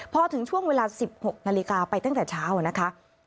พอถึงช่วงเวลา๑๖นาฬิกาไปตั้งแต่เช้านะคะ